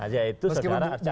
ya itu sebenarnya